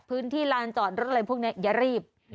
พื้นที่ร้านจอดรถอะไรพวกนี้อย่ารีบ